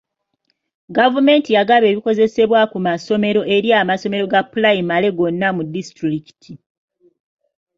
Gavumenti yagaba ebikozesebwa ku masomero eri amasomero ga pulayimale gonna mu disitulikiti.